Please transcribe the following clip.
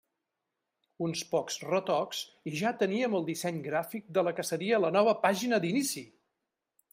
Uns pocs retocs, i ja teníem el disseny gràfic de la que seria la nova pàgina d'inici!